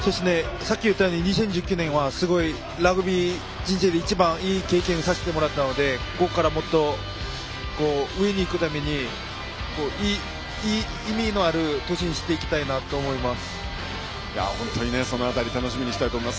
さっき言ったように２０１９年はすごい、ラグビー人生で一番いい経験をさせてもらったのでここからもっと、上に行くために意味のある年にしたいと思います。